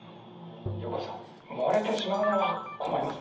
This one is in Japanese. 横手さんもれてしまうのは困りますね。